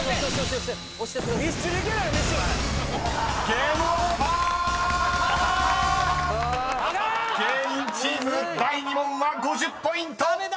［芸人チーム第２問は５０ポイント！］